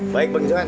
baik bang iswan